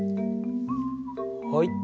はい。